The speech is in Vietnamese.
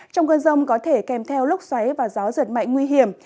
trong cơn rông có thể kèm theo lúc xoáy và gió giật mạnh nguy hiểm